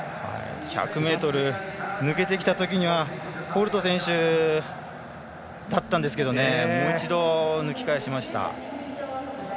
１００ｍ抜けてきたときにはホルト選手だったんですがもう一度、抜き返しました。